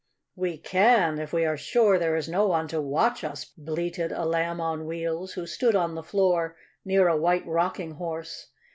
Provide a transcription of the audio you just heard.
"We can, if we are sure there is no one to watch us," bleated a Lamb on Wheels, who stood on the floor near a White Rocking Horse.